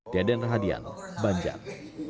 deden radian banjar